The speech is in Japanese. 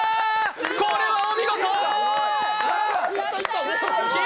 これはお見事ー！